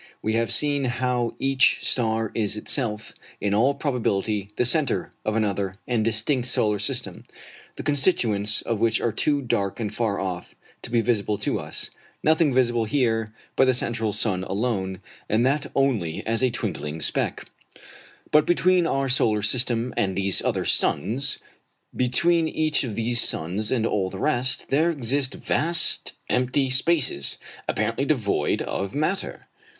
We have seen how each star is itself, in all probability, the centre of another and distinct solar system, the constituents of which are too dark and far off to be visible to us; nothing visible here but the central sun alone, and that only as a twinkling speck. But between our solar system and these other suns between each of these suns and all the rest there exist vast empty spaces, apparently devoid of matter.